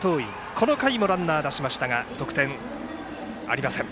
この回もランナー出しましたが得点ありません。